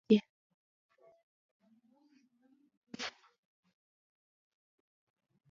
ټولې ښځې او نارینه یوازې لوبغاړي دي.